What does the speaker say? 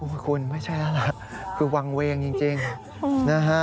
คุณไม่ใช่แล้วล่ะคือวางเวงจริงนะฮะ